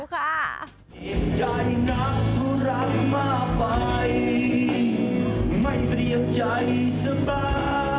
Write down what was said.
ว่าจะมีใครมาเข้าใจต้องใช้เวลา